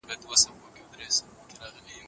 که ډرامې وي نو ژبه نه پردی کیږي.